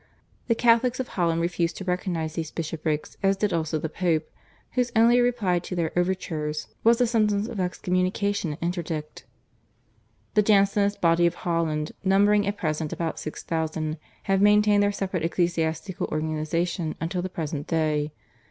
The Catholics of Holland refused to recognise these bishoprics as did also the Pope, whose only reply to their overtures was a sentence of excommunication and interdict. The Jansenist body of Holland, numbering at present about six thousand, have maintained their separate ecclesiastical organisation until the present day.